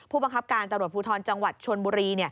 ผู้บังคับการตำรวจภูทรจังหวัดชนบุรี